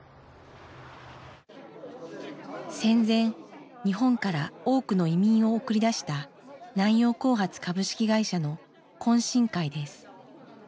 戦前日本から多くの移民を送り出した南洋興発株式会社の懇親会です。